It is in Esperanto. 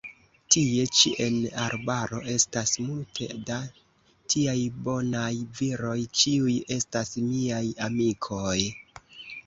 Tie ĉi en arbaro estas multe da tiaj bonaj viroj, ĉiuj estas miaj amikoj!